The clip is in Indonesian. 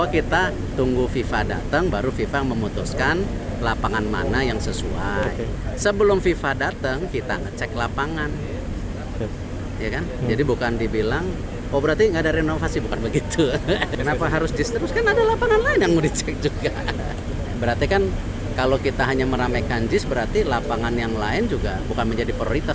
kalau kita hanya meramaikan jis berarti lapangan yang lain juga bukan menjadi prioritas